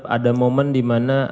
ada momen di mana